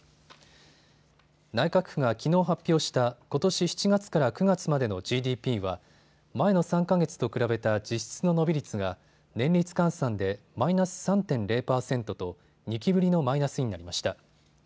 内閣府がきのう発表したことし７月から９月までのＧＤＰは前の３か月と比べた実質の伸び率が年率換算でマイナス３．０％と２期ぶりのマイナスになりました。